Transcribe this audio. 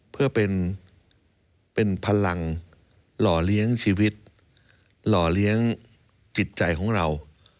เพื่อเป็นพลังหล่อเลี้ยงชีวิตหล่อเลี้ยงจิตใจของเรา